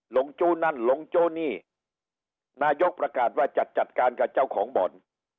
ลงจู้นั่นหลงโจ้นี่นายกประกาศว่าจะจัดการกับเจ้าของบ่อน